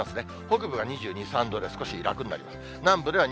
北部は２２、３度で少し楽になります。